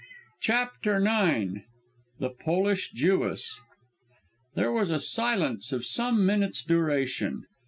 CHAPTER IX THE POLISH JEWESS There was a silence of some minutes' duration.